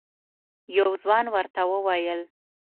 یو ځوان ورته وویل: